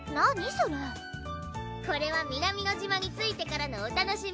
それこれは南乃島に着いてからのお楽しみ！